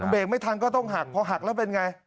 เบรกไม่ทันก็ต้องหักพอหักแล้วเป็นไง